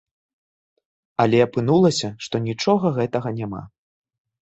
Але апынулася, што нічога гэтага няма.